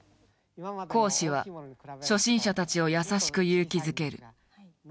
講師は初心者たちを優しく勇気づける。